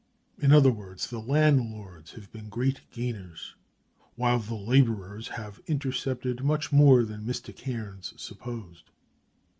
In other words, the landlords have been great gainers, while the laborers have intercepted much more than Mr. Cairnes supposed.